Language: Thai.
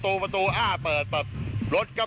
มีความรู้สึกว่ามีความรู้สึกว่า